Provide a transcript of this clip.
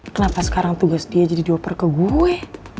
kenapa sekarang tugas dia jadi doper ke gue